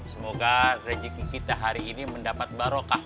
semoga rezeki kita hari ini mendapat barokah